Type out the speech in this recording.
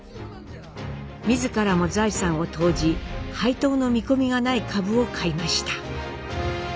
自らも財産を投じ配当の見込みがない株を買いました。